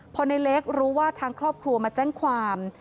พอในเล็กรู้ว่าทางครอบครัวมาแจ้งความ